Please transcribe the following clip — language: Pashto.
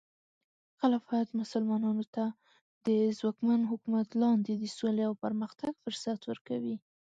خلافت مسلمانانو ته د ځواکمن حکومت لاندې د سولې او پرمختګ فرصت ورکوي.